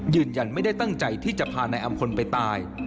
ยืนยันไม่ได้ตั้งใจที่จะพานายอำพลไปตาย